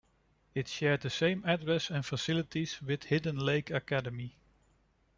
It shared the same address and facilities with Hidden Lake Academy.